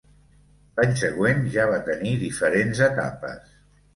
L'any següent ja va tenir diferents etapes.